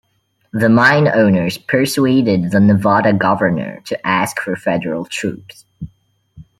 The mine owners persuaded the Nevada governor to ask for federal troops.